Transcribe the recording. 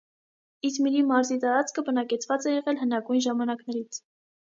Իզմիրի մարզի տարածքը բնակեցված է եղել հնագույն ժամանակներից։